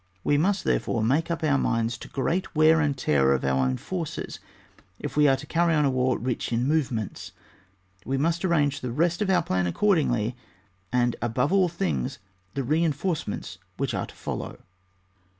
We must, therefore, make up our minds to great wear and tear of our own forces, if we are to carry on a war rich in move ments, we must arrange the rest of our plan accordingly, and above aU things the reinforcements which are to follow.